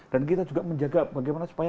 dan kita juga menjaga bagaimana supaya